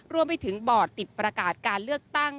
รวมไปถึงบอร์ดติดประกาศการเลือกตั้ง